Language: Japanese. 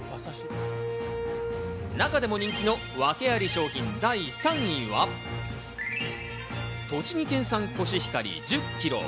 中でも人気の訳あり商品、第３位は、栃木県産コシヒカリ１０ｋｇ。